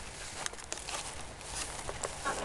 د مطالعې فرهنګ د ټولنې د پرمختګ لپاره مهم دی.